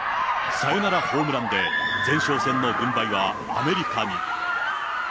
サヨナラホームランで前哨戦の軍配はアメリカに。